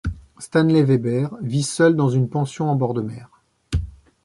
Stanley Webber vit seul dans une pension en bord de mer.